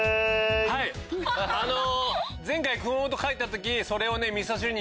あの前回熊本帰った時。